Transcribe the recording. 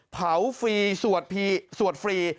เผาฟรีสวดฟรี